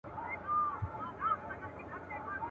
له سهاره ترماښامه به پر کار وو !.